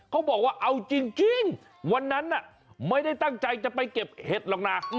เขาบอกว่าเอาจริงวันนั้นไม่ได้ตั้งใจจะไปเก็บเห็ดหรอกนะ